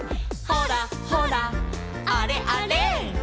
「ほらほらあれあれ」